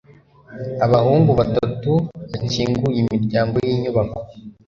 Abahungu batatu bakinguye imiryango yinyubako.